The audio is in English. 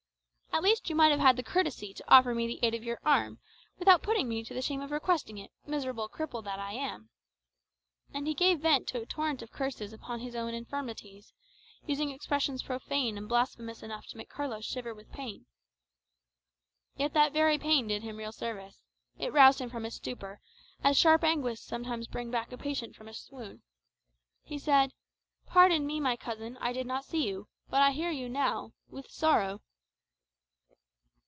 "At least you might have had the courtesy to offer me the aid of your arm, without putting me to the shame of requesting it, miserable cripple that I am!" and he gave vent to a torrent of curses upon his own infirmities, using expressions profane and blasphemous enough to make Carlos shiver with pain. Yet that very pain did him real service. It roused him from his stupor, as sharp anguish sometimes brings back a patient from a swoon. He said, "Pardon me, my cousin, I did not see you; but I hear you now with sorrow."